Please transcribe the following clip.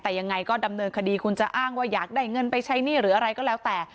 แต่ยังไงก็ดำเนินคดีคุณจะอ้างว่าอยากได้เงินไปใช้หนี้หรืออะไรก็แล้วแต่